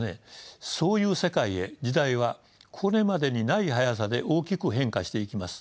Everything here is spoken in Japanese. そういう世界へ時代はこれまでにない速さで大きく変化していきます。